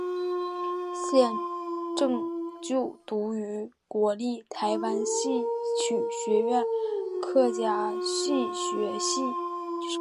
现正就读于国立台湾戏曲学院客家戏学系。